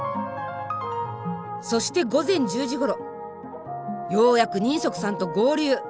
そして午前１０時ごろようやく人足さんと合流。